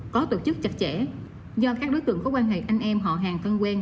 có tổ chức chặt chẽ do các đối tượng có quan hệ anh em họ hàng thân quen